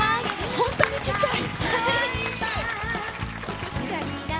本当にちっちゃい。